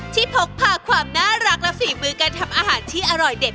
พกพาความน่ารักและฝีมือการทำอาหารที่อร่อยเด็ด